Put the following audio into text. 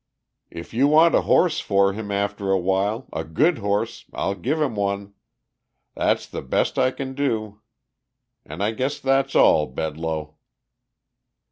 "If you want a horse for him after a while, a good horse, I'll give him one. That's the best I can do. And I guess that's all, Bedloe."